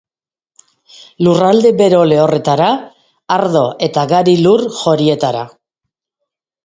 Lurralde bero lehorretara, ardo eta gari lur jorietara.